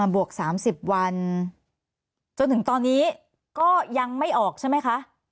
บวก๓๐วันจนถึงตอนนี้ก็ยังไม่ออกใช่ไหมคะ